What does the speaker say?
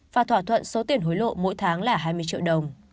và thỏa thuận số tiền hối lộ mỗi tháng là hai mươi triệu đồng